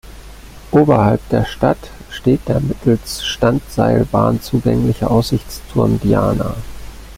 Oberhalb der Stadt steht der mittels Standseilbahn zugängliche Aussichtsturm "Diana".